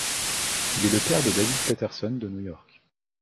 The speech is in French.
Il est le père de David Paterson de New York.